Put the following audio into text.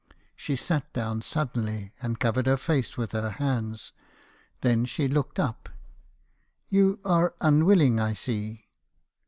She sat down suddenly, and covered her face with her hands. Then she looked up. " 'You are unwilling, I see.